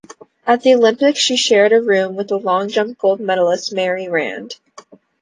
At the Olympics she shared a room with long jump gold medallist Mary Rand.